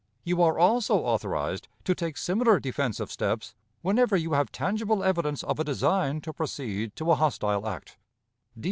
You are also authorized to take similar defensive steps whenever you have tangible evidence of a design to proceed to a hostile act.